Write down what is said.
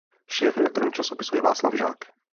Šéfredaktorem časopisu je Václav Žák.